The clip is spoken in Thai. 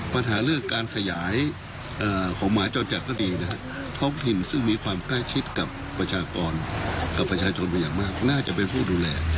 ปัญหาเรื่องการขยายของหมาเจ้าจักรก็ดีท้องถิ่นซึ่งมีความแน่ชิดกับประชากรมากน่าจะเป็นผู้ดูแล